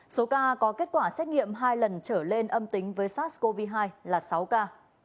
số ca có kết quả xét nghiệm hai lần trở lên âm tính với sars cov hai là sáu ca